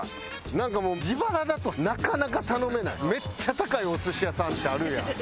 なんかもう自腹だとなかなか頼めないめっちゃ高いお寿司屋さんってあるやん。